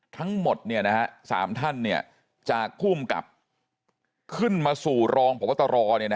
ทั้งหมดสามท่านจะคู่มกับขึ้นมาสู่รองบพตรอ